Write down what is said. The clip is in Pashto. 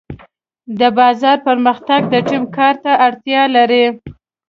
د بازار پرمختګ د ټیم کار ته اړتیا لري.